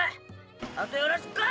あとよろしくゥ。